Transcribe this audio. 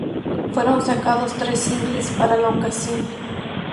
Fueron sacados tres singles para la ocasión.